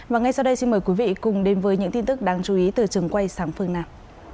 và ngay sau đây xin mời quý vị cùng đến với những tin tức đáng chú ý từ trường quay sáng phương nam